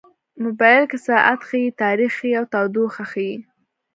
موبایل کې ساعت ښيي، تاریخ ښيي، او تودوخه ښيي.